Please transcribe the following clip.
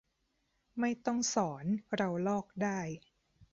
ไม่ต้องสอนเราลอกได้